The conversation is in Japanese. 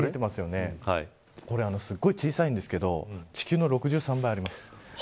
これ、すごい小さいんですけど地球の６３倍あります。